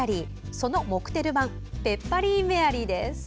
そのモクテル版ペッパリーメアリーです。